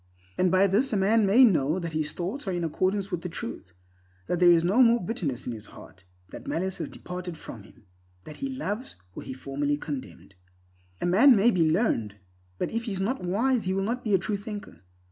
And by this a man may know that his thoughts are in accordance with the Truth—that there is no more bitterness in his heart, that malice has departed from him; that he loves where he formerly condemned. A man may be learned, but if he is not wise he will not be a true thinker.